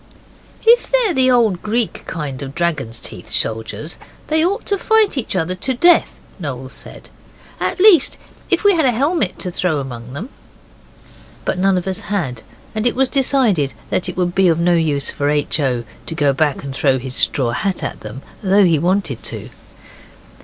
'If they're the old Greek kind of dragon's teeth soldiers, they ought to fight each other to death,' Noel said; 'at least, if we had a helmet to throw among them.' But none of us had, and it was decided that it would be of no use for H. O. to go back and throw his straw hat at them, though he wanted to.